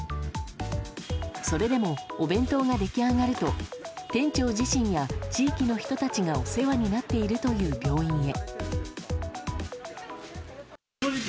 それでもお弁当が出来上がると店長自身が地域の人たちがお世話になっているという病院へ。